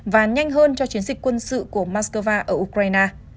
và nhanh hơn cho chiến dịch quân sự của moscow ở ukraine